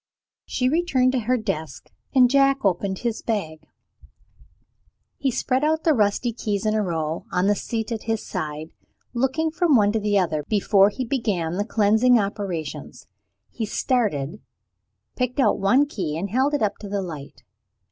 She returned to her desk; and Jack opened his bag. He spread out the rusty keys in a row, on the seat at his side. Looking from one to the other before he began the cleansing operations, he started, picked out one key, and held it up to the light.